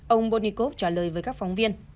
ông botnikov trả lời với các phóng viên